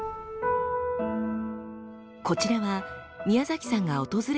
こちらは宮崎さんが訪れた頃の映像。